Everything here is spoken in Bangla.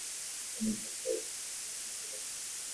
তিনি চমৎকার ক্রীড়াশৈলী প্রদর্শনে সক্ষমতা দেখান।